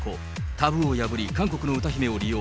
タブーを破り、韓国の歌姫を利用。